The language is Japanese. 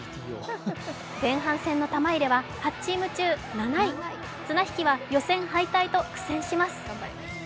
前半戦の玉入れは８チーム中７位、綱引きは予選敗退と苦戦します。